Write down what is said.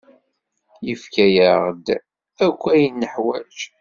Yefka-yaɣ-d akk ayen neḥwaǧ.